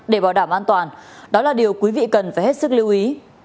để bảo đảm an toàn đó là điều quý vị cần phải hết sức lưu ý